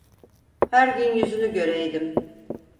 Her gün yüzünü göreydim.